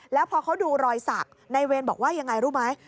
แล้วพอเขาดูรอยสักนายเวรบอกว่ายังไงรู้ไหม